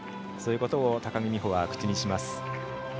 そういうことを高木美帆は口にします。